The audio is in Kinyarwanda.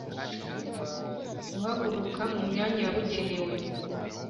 guhaguruka mu myanya yabugenewe